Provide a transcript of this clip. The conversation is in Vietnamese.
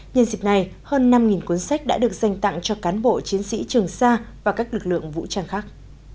nhân dịp này hơn năm cuốn sách đã được dành tặng cho cán bộ chiến sĩ trường xa và các lực lượng vũ trang khác